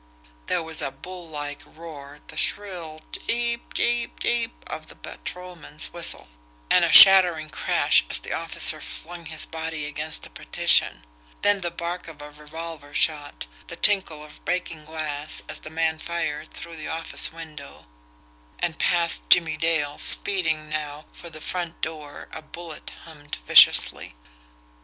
There was a bull like roar, the shrill CHEEP CHEEP CHEEP of the patrolman's whistle, and a shattering crash as the officer flung his body against the partition then the bark of a revolver shot, the tinkle of breaking glass, as the man fired through the office window and past Jimmie Dale, speeding now for the front door, a bullet hummed viciously.